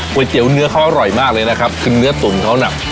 เตี๋ยวเนื้อเขาอร่อยมากเลยนะครับคือเนื้อตุ๋นเขาน่ะ